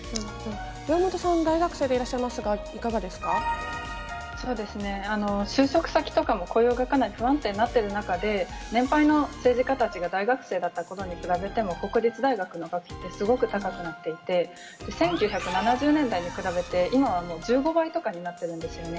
岩本さんは大学生でいらっしそうですね、就職先とかも雇用がかなり不安定になっている中で、年配の政治家たちが大学生だったころに比べても、国立大学の学費ってすごく高くなっていて、１９７０年代に比べて今はもう１５倍とかになっているんですよね。